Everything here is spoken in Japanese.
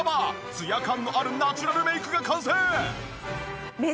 つや感のあるナチュラルメイクが完成！